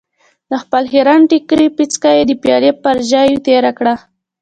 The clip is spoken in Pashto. د خپل خيرن ټکري پيڅکه يې د پيالې پر ژۍ تېره کړه.